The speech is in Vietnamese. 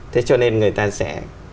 thế cho nên người ta sẽ